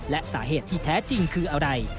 และสาเหตุที่แท้จริงคืออะไร